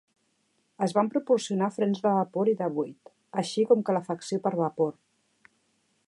Es van proporcionar frens de vapor i de buit, així com calefacció per vapor.